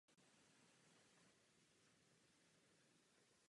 V témže roce se František Havránek rozhodl rozloučit s reprezentačním mužstvem.